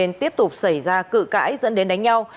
hai người tiếp tục xảy ra cử cãi dẫn đến đánh nhau